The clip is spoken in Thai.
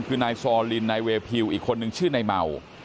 คือนายซอลินนายเวพิวอีกคนนึงชื่อนายเมา